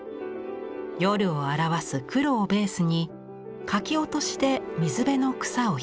夜を表す黒をベースにかき落としで水辺の草を表現。